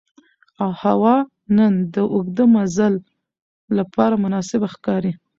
هوا نن د اوږده مزل لپاره مناسبه ښکاري